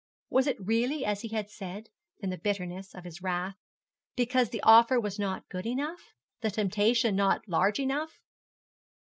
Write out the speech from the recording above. Was it really as he had said, in the bitterness of his wrath, because the offer was not good enough, the temptation not large enough?